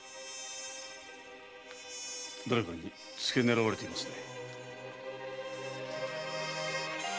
誰かにつけ狙われていますね？